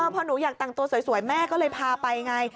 พอหนูอยากแต่งตัวสวยแม่ก็เลยพาไปไง